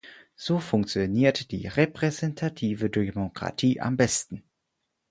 So funktioniert die repräsentative Demokratie am besten.